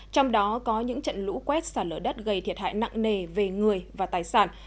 trong đó có những trận lũ quét xả lở đất gây thiệt hại nặng nề về người và tài sản